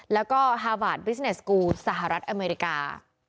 แล้วก็ฮาบาดบริสเนสกูลสหรัฐอเมริกา